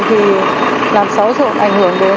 thì làm sao sẽ ảnh hưởng đến